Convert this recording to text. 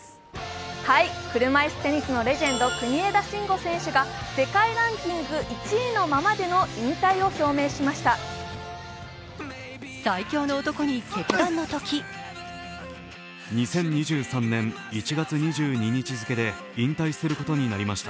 車いすテニスのレジェンド国枝慎吾選手が世界ランキング１位のままでの引退を表明しました。